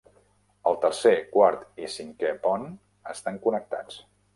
El tercer, quart i cinquè pont estan connectats.